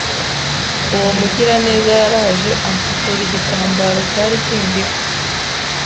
uwo mugiraneza yaraje amfukura igitambaro cyari kindiho,